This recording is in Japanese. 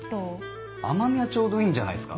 甘味はちょうどいいんじゃないですか？